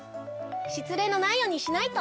しつれいのないようにしないと。